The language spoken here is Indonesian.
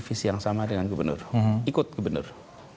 visi yang sama dengan gubernur ikut gubernur